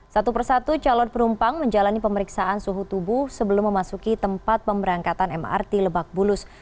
satu persatu calon penumpang menjalani pemeriksaan suhu tubuh sebelum memasuki tempat pemberangkatan mrt lebak bulus